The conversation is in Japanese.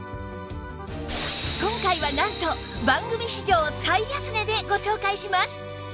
今回はなんと番組史上最安値でご紹介します！